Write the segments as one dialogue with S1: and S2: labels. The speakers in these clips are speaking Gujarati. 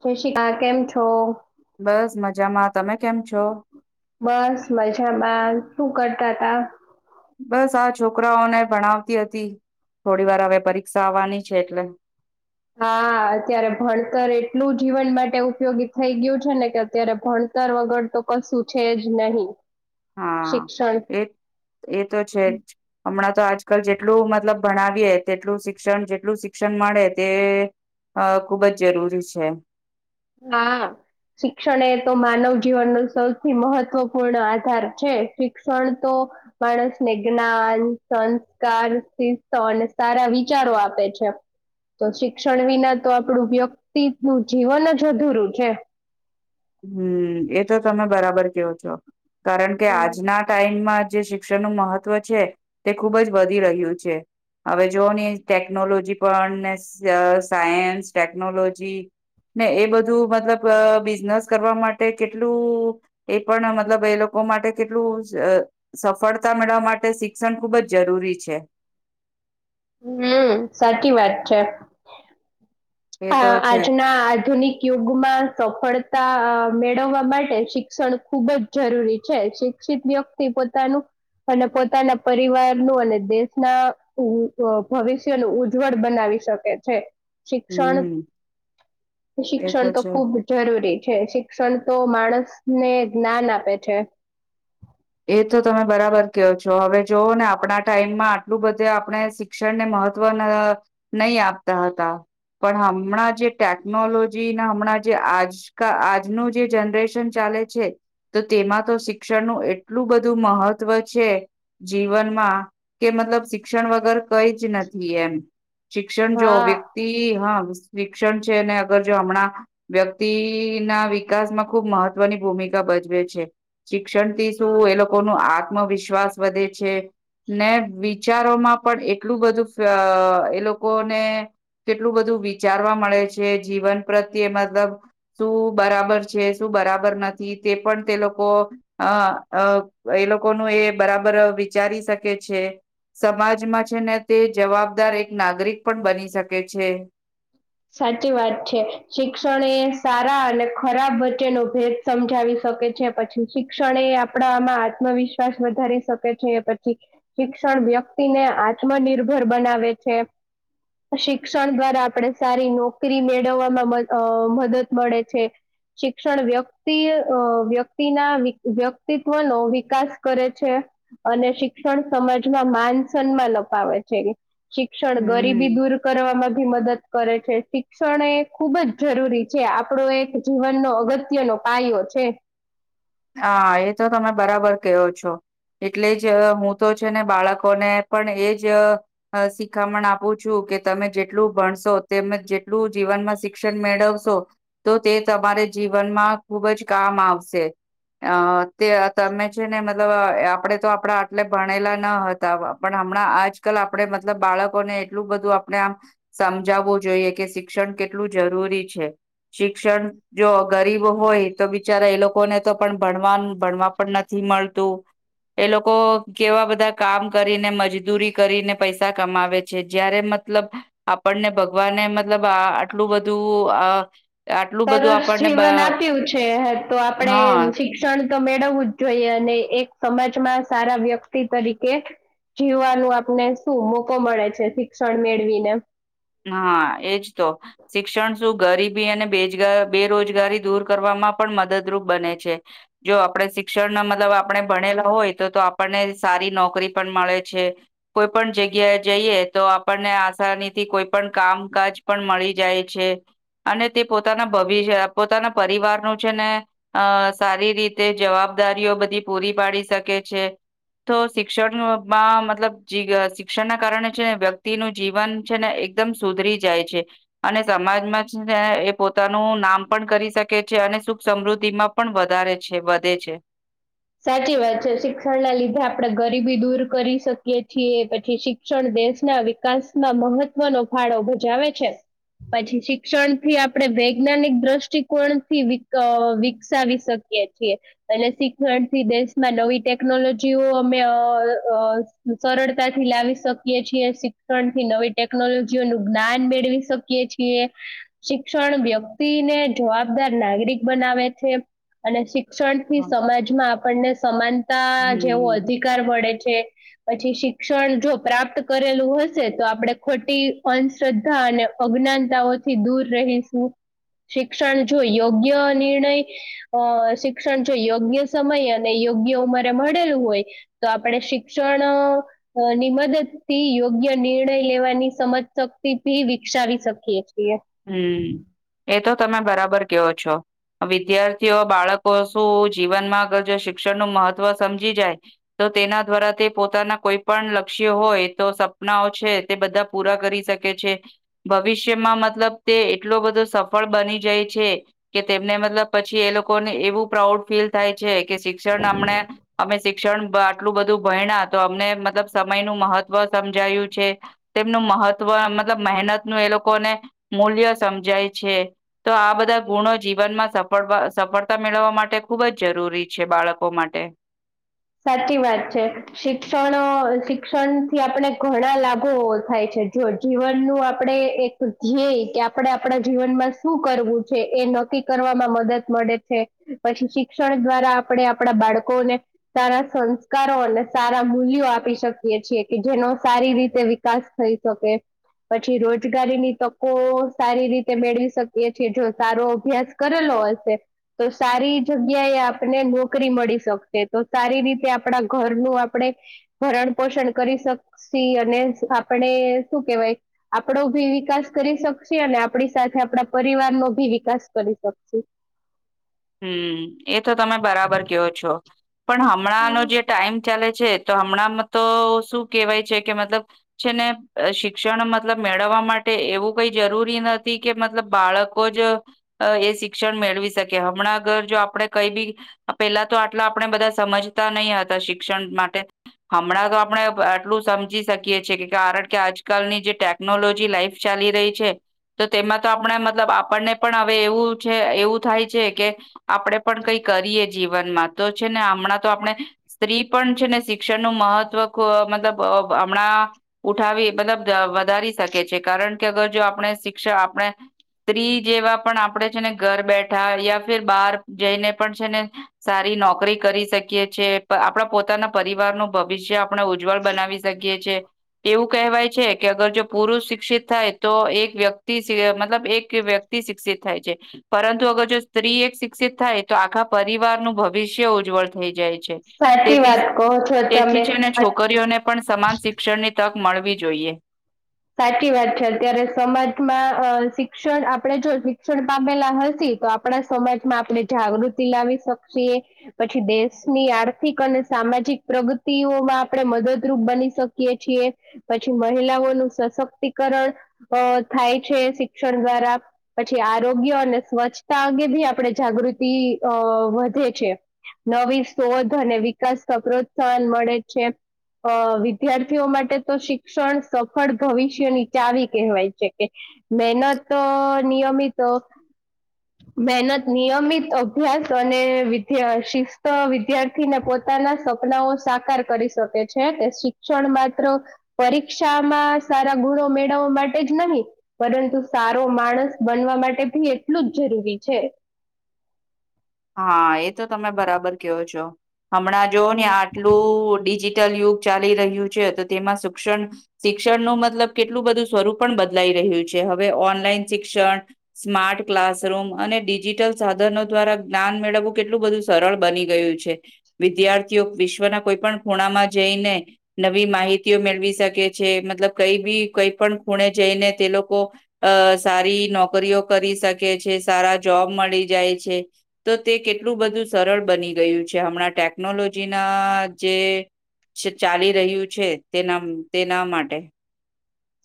S1: જોશી આ કેમ છો
S2: બસ મજામાં તમે કેમ છો
S1: બસ મજામાં શું કરતા તા
S2: બસ આ છોકરાઓને ભણાવતી હતી થોડી વાર હવે પરીક્ષા આવવાની છે એટલે
S1: હા હા અત્યારે ભણતર એટલું જીવન માટે ઉપયોગી થઈ ગયું છે ને કે અત્યારે ભણતર વગર તો કશું છે જ નહીં
S2: હા
S1: શિક્ષણ
S2: એ એ તો છે જ હમણાં તો આજકાલ જેટલું મતલબ ભણાવીએ તેટલું શિક્ષણ જેટલું શિક્ષણ મળે તે હા ખુબ જ જરૂરી છે
S1: હા આ શિક્ષણ એ તો માનવ જીવન નુ સૌથી મહત્વપૂર્ણ આધાર છે શિક્ષણ તો માણસને જ્ઞાન સંસ્કાર શિસ્ત અને સારા વિચારો આપે છે તો શિક્ષણ વિના તો આપણું વ્યક્તિ નું જીવન જ અધૂરું છે
S2: હમ એ તો તમે બરાબર કેવો છો કારણ કે
S1: હમ
S2: આજના ટાઈમમાં જે શિક્ષણનું હુ મહત્વ છે તે ખુબ જ વધી રહ્યું છે હવે જોઓ ને ટેકનોલોજી પણ ને સ સાયન્સ ટેકનોલોજી ને એ બધું મતલબ બિઝનેસ કરવા માટે કેટલું એ પણ મતલબ એ લોકો માટે કેટલું સફળતા મેળવવા માટે શિક્ષણ ખૂબ જ જરૂરી છે
S1: હમ સાચી વાત છે
S2: એ
S1: અ
S2: તો છે
S1: આજના આધુનિક યુગમાં સફળતાઆ મેળવવા માટે શિક્ષણ ખુબ જ જરૂરી છે શિક્ષિત વ્યક્તિ પોતાનું અને પોતાના પરિવારનુંુ અને દેશના ભવિષ્યનું ઉજ્જવળ બનાવી શકે છે ક્ષણ
S2: હમ એ
S1: શિક્ષણ તો
S2: છે.
S1: ખુબ જરૂરી છે શિક્ષણ તો માણસ ને જ્ઞાન આપે છે
S2: એ તો તમે બરાબર કહયો છો હવે જોવોઓ ને આપણા ટાઈમમાં આટલું બધે આપણે શિક્ષણ ને મહત્વના નહી આપતા હતા પણ હમણાં જે ટેકનોલોજીને હમણાં જે આજકા આજનું જે જનરેશન ચા ચાલે છે તો તેમાં તો શિક્ષણ નું એટલું બધું મહત્વ છે જીવનમાં કે મતલબ શિક્ષણ વગર કઈ જ નથી એમ શિક્ષણ જો
S1: હા
S2: વ્યક્તિ હા મસ્ત શિક્ષણ છે અગર જો હમણાં વ્યક્તિ ના વિકાસ માં ખુબ મહત્વની ભૂમિકા ભજવે છે શિક્ષણ થી શું એ લોકો ન આત્મવિશ્વાસ વધે છે ને વિચારોમાં પણ એટલું બધું એ લોકોને કેટલું બધું વિચારવા મળે છે જીવન પ્રત્યે મતલબ શું બરાબર છે શું બરાબર નથી તે પણ તે લોકો અ અ એ લોકોનું એ બરાબર વિચારી શકે છે સમાજમાં છે ને તે જવાબદાર એક નાગરિક પણ બની શકે છે
S1: સાચી વાત છે શિક્ષણ એ સારા અને ખરાબ વચ્ચેનો ભેદ સમજાવી શકે છે પછી શિક્ષણ એ આપણામાં આત્મવિશ્વાસ વધારી શકે છે પછી શિક્ષણ શિક્ષણ વ્યક્તિ ને આત્મનિર્ભર બનાવે છે શિક્ષણ દ્વારા આપણે સારી નોકરી મેળવવામાં મદદ મળે છે શિક્ષણ વ્યક્તિ વ્યક્તિ ના વ્યક્તિત્વ નો વિકાસ કરે છે અને શિક્ષણ સમાજમાં માન સન્માન અપાવે છે શિક્ષણ
S2: હમ
S1: ગરીબી દૂર કરવામાં ભી મદદ કરે છે શિક્ષણ એ ખુબ જ જરૂરી છે આપણો એક જીવનનો અગત્યનો પાયો છે હ [unintelligible]
S2: હા, એ તો તમે બરાબર કયો છો એટલે જ હું તો છે, ને બાળકોને પણ એજ શીખામણ આપું છું. કે તમે જેટલું ભણશો તેમ જેટલું જીવનમાં શિક્ષણ મેળવશો તો તે તમારે જીવનમાં ખુબ જ કામ આવશે, અ તે તમે છે ને મતલબ આપડે તો આપડા આટલે ભણેલા ન હતા. પણ હમણાં આજકાલ આપણે મતલબ બાળકોને એટલું બધું આપણે આમ સમજાવવું જોઈએ કે શિક્ષણ કેટલું જરૂરી છે શિક્ષણ જો ગરીબ હોય તો બિચારા એ લોકોને તો ભણવા ભણવા પણ નથી મળતું એ લોકો કેવા બધા, કામ કરીને મજદૂરી કરીને પૈસા કમાવે છે, જયારે મતલબ આપણને ભગવાને મતલબ આટલું બધું અ
S1: સરસ જીવન આપ્યું છે, તો આપણે
S2: હા
S1: શિક્ષણ મેળવવું જ જોઈએ અને એક સમાજમાં સારા વ્યક્તિ તરીકે જીવવાનું આપને શું મોકો મળે છે, શિક્ષણ મેળવીને
S2: હા, એજ તો શિક્ષણ શું ગરીબી અને બેરોજગારી દૂર કરવામાં પણ મદદરૂપ બને છે, જો આપણે શિક્ષણ મતલબ આપણે ભણેલા હોય તો તો આપણને સારી નોકરી પણ મળે છે, કોઈ પણ જગ્યા જઈએ તો આપણને આસાનીથી કોઈ પણ કામકાજ પણ મળી જાય છે, અને તે પોતાના ભવિષ્ય પોતાના પરિવારનું છે, ને અ સારી રીતે જવાબ જવાબદારીઓ બધી પૂરી પાડી શકે છે, તો શિક્ષણમાં મતલબ શિક્ષણના કારણે છે, ને વ્યક્તિનું જીવન છે, ને એકમ સુધરી જાય છે, અને સમાજમાં એ પોતાનું નામ પણ કરી શકે છે અને સુખ સમૃદ્ધિ માં પણ વધારે છે, વધે છે
S1: સાચી વાત છે, શિક્ષણ ના લીધે આપણેે ગરીબી દૂર કરી શકીએ છીએ પછી શિક્ષણ દેશના વિકાસમાં મહત્વનો ફાળો ભજાવે છે, પછી શિક્ષણ થી આપણેે વૈજ્ઞાનિક દ્રષ્ટિકોણથી વિકસાવી શકીએ છીએ અને શી ણથી દેશમાં નવી ટેકનોલોજીઓ અમે સરળતાથી લાવી શકીએ, શિક્ષણ થી નવી ટેકનોલોજીઓ ન જ્ઞાન મેળવી શકીએ છીએ શિક્ષણ વ્યક્તિને જવાબદાર નાગરિક બનાવે છે, અને શિક્ષણ થી સમાજમાં આપણને સમાનતા જેવો
S2: હમ્મ.
S1: અધિકાર મળે છે, પછી શિક્ષણ જો પ્રાપ્ત કરેલું હશે તો આપણે ખોટી અંધશ્રદ્ધા અને અગ્નિ નિતાઓથી દૂર રહીશું શિક્ષણ જો યોગ્ય નિર્ણય અ શિક્ષણ જો યોગ્ય સમય અને યોગ્ય ઉંમરે મળેલું હોય તો આપણે શિક્ષણ ની મદદ થી યોગ્ય નિર્ણય લેવાની સમજ શક્તિ થી વિકસાવી શકીએ છીએ,
S2: હમ્મ એ તો તમે બરાબર કેવો છો. વિદ્યાર્થીઓ બાળકો શું જીવનમાં અગર જો શિક્ષણ નું મહત્વ સમજી જાય તો તેના દ્વારા તે પોતાના કોઈ પણ લક્ષ્ય હોય તો સપનાઓ છે, તે બધા પૂરા કરી શકે ભવિષ્યમાં મતલબ તે એટલો બધો સફળ બની જાય છે, કે તેમને મતલબ પછી એ લોકોને એવું પ્રાઉડ ફીલ થાય છે, કે શિક્ષણ અમને અમે શિક્ષણ આટલું બધું ભયણા તો અમને મતલબ સમય નું મહત્વ સમજાયું છે, તેમનું મહત્વ મતલબ મહેનત નું એ લોકોને મૂલ્ય સમજાય છે, તો આ બધા ગુણો જીવનમાં સફળ સફળતા મેળવવા માટે ખૂબ જ જરૂરી છે, બાળકો માટે
S1: [inaudible] સાચી વાત છે, શિક્ષણ શિક્ષણ થી આપણે ઘણા લાભો થાય છે, જો જીવન નું આપણે એક ધ્યેય કે આપણે આપણા જીવનમાં શું કરવું છે, એનો નક્કી કરવામાં મદદ મળે છે, પછી શિક્ષણ દ્વારા આપણે આપણા બાળકોને સારા સંસ્કારો અને સારા મૂલ્યો આપી શકીએ છીએ કે જેનો સારી રીતે વિકાસ થ થઈ શકે પછી રોજગારીની તકો સારી રીતે મેળવી શકીએ છેીએ જો સારો અભ્યાસ કરેલો તો સારી જગ્યા એ આપને નોકરી મળી શકશે તો સારી રીતે આપણા ઘરનુંું આપણે ભરણ પોષણ કરી શકશ અને આપ શું કેવાય આપડો ભી વિકાસ કરી શકશ અને આપણી સાથે આપણા પરિવાર નો ભી વિકાસ કરી શકશું
S2: હમ એ તો તમે બરાબર કેવો છો પણ હમણાંનો જે ટાઈમ ચાલે તો હમણાં તો શું કેવાય છે કે મતલબ છે ને શિક્ષણ મતલબ મેળવ માટે એવું કઈ જરૂરી નથી કે મતલબ બાળકો જ એ શિક્ષણ મેળવી શકે હમણાં ઘર જો આપે કઈ બી પેલા તો આટલા આપણે બધા સમજતા નહી હતા શિક્ષણ માટે હમણાં તો આપણે આટલું સમજી શકીએ છએ કે કાર કે આજ કલની જે ટેકનોલોજી લાઈફ ચાલી રહી છે તો તેમાં તો આપણા મતલબ આપણને પણ હવે એવું છે એવું થાય કે આપણેે પણ કઈ કરીએ જીવનમાં તો છે ને હમણાં તો આપણે સ્ત્રી પણ છે શિક્ષણ નું મહત્વ મતલબ હમણાં ઉઠાવી મતલબ વધારી શકે છે કારણ કે અગર જો આપણે શિક્ષ આપણે સ્ત્રી જેવા પણ આપણેે છે ને ઘર બેઠ યા ફર બાર જઈને પણ છે ને સારી નોકરી કરી શકીએ છે આપણા પોતા પોતાના પરિવાર નું ભવિષ્ય આપણે ઉજ્જવળ બનાવી શકીએ છેએ એવું કહેવાય કે અગર જો પુરુષ શિક્ષિત થાય તો એક વ્યક્તિ મતલબ એક વ્યક્તિ શિક્ષિત થાય છે પરંતુ અગર જો સ્ત્રી એક શિક્ષિત થાય તો આખા પરિવારનું ભવિષ્ય ઉજ્જવળ થઈ જાય છે
S1: સાચી
S2: તેથી
S1: વાત કહો છો
S2: તેથી
S1: તમે
S2: છેને છોકરીઓને પણ સમાન શિક્ષણની તક મળવી જોઈએ
S1: સાચી વાત છે અત્યારે સમાજમાં અ શિક્ષણ આપડે જો શિક્ષણ પામેલા હશ તો આપણા સમાજમાં આપણે જાગૃતિ લાવી શકશએ પછી દેશની આર્થિક અને સામાજિક પ્રગતિઓમાં આપણે મદદરૂપ બની શકીએ છીએ પછી મહિલાઓનું સશક્તિકરણ થાય છે શિક્ષણ દ્વારા પછી આરોગ્ય અને સ્વચ્છ અંગે ભી આપડે જાગૃતિ અ વધે છે નવી શોધ અને વિકાસ પ્રોત્સાહન મળે છે અ વિદ્યાર્થીઓ માટે તો શિક્ષણ ળ ભવિષ્ય ની ચાવી કહેવાય છે કે મહેહનત નિયમિત મહેનત નિયમિત અભ્યાસ અને વિ શિસ્ત વિદ્યાર્થીને પોતે પોના સપનાઓ સાકાર કરી શકે છે કે શિક્ષણ માત્ર પરીક્ષા સારા ગુણો મેળવવા માટે જ નહીિ પરંતુ સારો માણસ બનવા માટે એટલું જ જરૂરી છે
S2: હા એ તો તમે બરાબર કેવો છો હમણાં જો ને
S1: હમ
S2: આટલું યુગ ચાલી રહ્યું છે તો તેમાં શિક્ષણ શિક્ષણ ન મતલબ કેટલું બધું સ્વરૂપ પણ બદલાઈ રહ રહ છે હવે ઓનલાઈન શિક્ષણ સ્માર્ટ ક્લાસરૂમ અને ડિજિટલ સાધનો દ્વારા જ્ઞાન મેળવવું કેટલું બધું સરળ બની ગયું છે વિદ્યાર્થીઓ વિશ્વના કોઈ પણ ખૂણામાં જે નવી માહિતી મેળવી શકે છે મતલબ કઈ બી કઈ પણ ખૂણે જઈને તે લોકો લોકો અ સારી નોકરીઓ કરી શકે છે સારા જોબ મળી જાય છે તો તે કેટલું બધું સરળ બની ગયું છે હમણાં ટેકનોલોજીના જે ચાલી રહ્યું છે તેના તેના માટે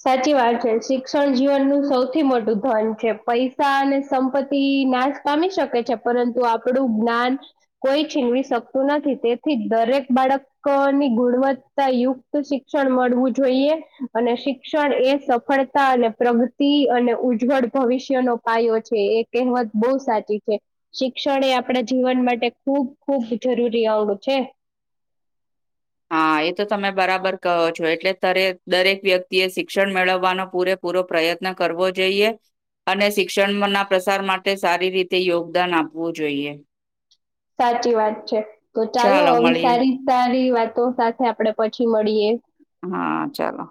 S1: સાચી વાત છે શિક્ષણ જીવનનું સૌથી મોટું ધન છે પૈસા અને સંપત્તિ નાશ પામી શકે છે પરંતુ આપણું જ્ઞાન કોઈ છીંગવી શકતું નથી તેથી દરેક બાળકોની ગુણવત્તા યુક્ત શિક્ષણ મળવું જોઈએ અને શિક્ષણ એ સફળતા અને પ્રગતિ અને ઉજ્જવળ ભવિષ્યનો પાયો છે એ કહેવા બહ સાચી છે શિક્ષણ એ આપણા જીવન માટે ખૂબ ખૂબ જરૂરી આવડું છે [inaudible]
S2: ા એ તો તમે બરાબર કહો છો એટલે તરે દરેક વ્યક્તિ એ શિક્ષણ મેળવવાનો પૂરેપૂરો પ્રયત્ન પ્રયત્ન કરવો જોઈએ અને શિક્ષણના પ્રસાર માટે સારી રીતે યોગદાન આપવું જોઈએ
S1: સાચી વાત છે તો ચાલો આવી સારી સારી વાત તો સાથે આપડે પછી મળીએ
S2: હા ચાલો